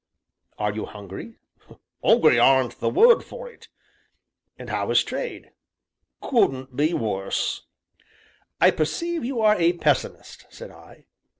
"Are you hungry? "'Ungry aren't the word for it." "And how is trade?" "Couldn't be worse!" "I perceive you are a pessimist," said I.